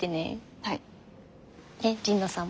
はい。